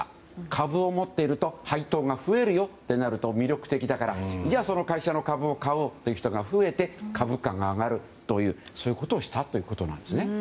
株を持っていると配当が増えるよってなると魅力的だからその会社の株を買おうっていう人が増えて株価が上がるというそういうことをしたということなんですね。